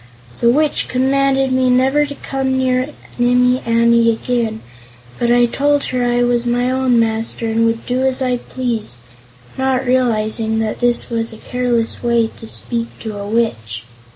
The Witch commanded me never to come near Nimmie Amee again, but I told her I was my own master and would do as I pleased, not realizing that this was a careless way to speak to a Witch.